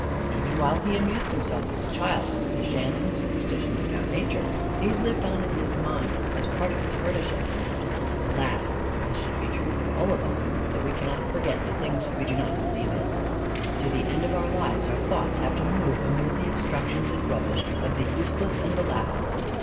Even while he amused himself as a child with the shams and superstitions about nature, these lived on in his mind as part of its furnishings. Alas, that this should be true for all of us that we cannot forget the things we do not believe in. To the end of our lives our thoughts have to move amid the obstructions and rubbish of the useless and the laughable.